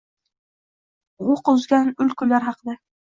Oʻq uzgan ul kunlar haqida.